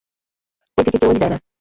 ঐ দিকে কেউই যায় না।